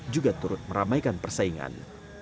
juga turut meramaikan persaingan